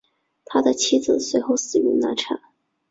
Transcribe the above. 他的妻子随后死于难产。